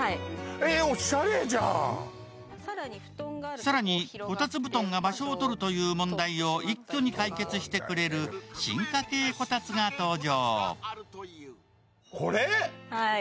更にこたつ布団が場所を取るという問題を一挙に解決してくれる進化系こたつが登場。